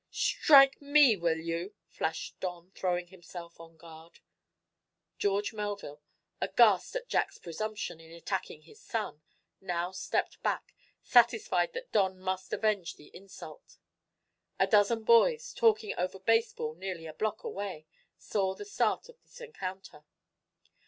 "Strike me, will you?" flashed Don, throwing himself on guard. George Melville, aghast at Jack's presumption in attacking his son, now stepped back, satisfied that Don must avenge the insult. A dozen boys, talking over baseball nearly a block away, saw the start of this encounter.